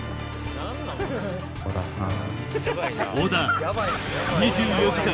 小田さん？